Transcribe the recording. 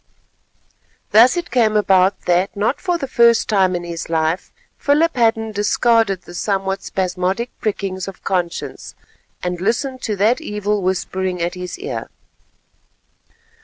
Thus it came about that, not for the first time in his life, Philip Hadden discarded the somewhat spasmodic prickings of conscience and listened to that evil whispering at his ear.